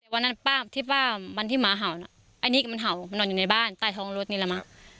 วันนั้นป้าที่ป้าวันที่หมาเห่าน่ะอันนี้ก็มันเห่ามันนอนอยู่ในบ้านใต้ท้องรถนี่แหละมั้ง